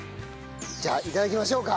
じゃあ頂きましょうか。